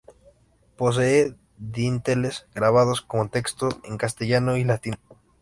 Posee dinteles grabados con textos en castellano y latín.